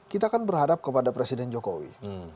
kita kan berharap kepada presiden jokowi